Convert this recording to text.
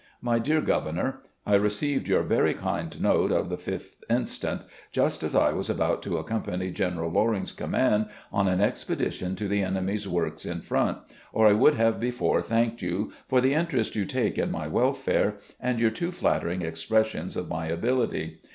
My Dear Governor: I received your very kind note of the 5th instant, just as I was about to accompany General Loring's command on an expedition to the enemy's works in front, or I would have before thanked you for the interest you take in my welfare, and your too flatter ing expressions of my ability.